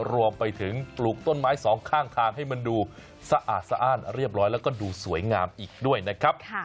รวมไปถึงปลูกต้นไม้สองข้างทางให้มันดูสะอาดสะอ้านเรียบร้อยแล้วก็ดูสวยงามอีกด้วยนะครับ